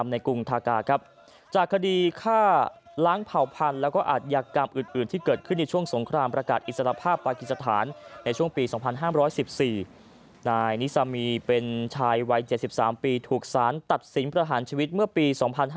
นายนิซามีเป็นชายวัย๗๓ปีถูกสารตัดสินประหารชีวิตเมื่อปี๒๕๕๗